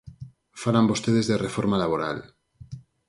Falan vostedes de reforma laboral.